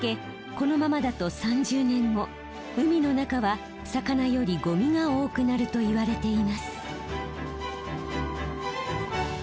このままだと３０年後海の中は魚よりゴミが多くなるといわれています。